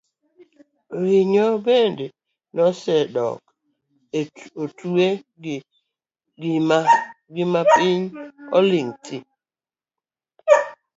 Winy bende nosedok e ute gi mapiny oling' thiii.